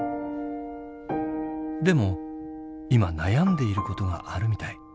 でも今悩んでいることがあるみたい。